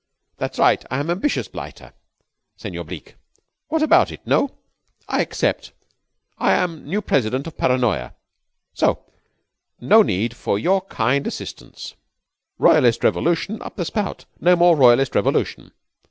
That's right. I am ambitious blighter, Senor Bleke. What about it, no? I accept. I am new President of Paranoya. So no need for your kind assistance. Royalist revolution up the spout. No more royalist revolution."